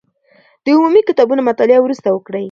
د عمومي کتابونو مطالعه وروسته وکړئ.